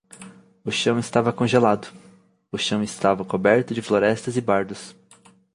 O chão estava congelado; o chão estava coberto de florestas e bardos.